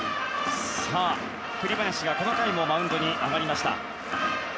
栗林がこの回もマウンドに上がりました。